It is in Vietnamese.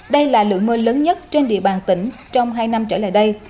đây là lượng mưa lớn nhất trên địa bàn tỉnh trong hai năm trở lại đây